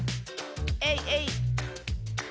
えいえいっ！